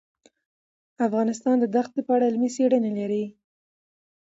افغانستان د دښتې په اړه علمي څېړنې لري.